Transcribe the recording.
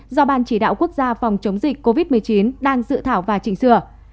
do ban chỉ đạo quốc gia phòng chống dịch covid một mươi chín đang dự thảo và chỉnh sửa